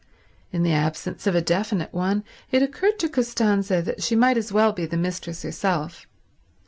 In the absence of a definite one, it occurred to Costanza that she might as well be the mistress herself.